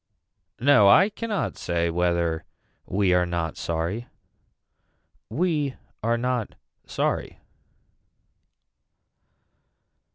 No I cannot say whether we are not sorry. We are not sorry.